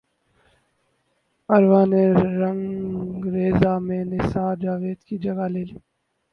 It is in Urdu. عروہ نے رنگریزا میں ثناء جاوید کی جگہ لے لی